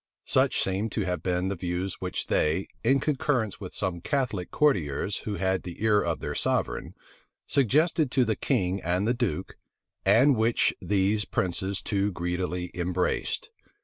Such seem to have been the views which they, in concurrence with some Catholic courtiers who had the ear of their sovereign, suggested to the king and the duke, and which these princes too greedily embraced.